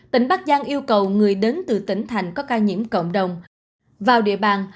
tỉnh bắc giang yêu cầu người đến từ tỉnh thành có ca nhiễm cộng đồng vào địa bàn